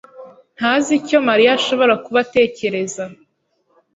ntazi icyo Mariya ashobora kuba atekereza.